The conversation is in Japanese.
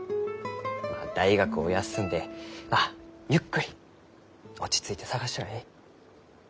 まあ大学を休んでまあゆっくり落ち着いて探したらえい。